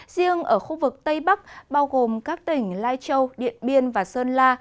riêng ở khu vực tây bắc bao gồm các tỉnh lai châu điện biên và sơn la